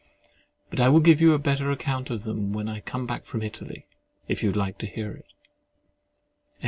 But I will give you a better account of them when I come back from Italy, if you would like to hear it.